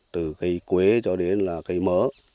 từ cây quế cho đến là cây mỡ